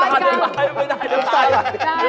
ไม่ได้จะตายไม่ได้